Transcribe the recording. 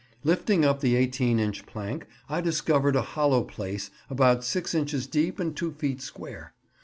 Lifting up the eighteen inch plank, I discovered a hollow place about six inches deep and two feet square.